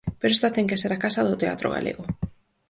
Pero esta ten que ser a casa do teatro galego.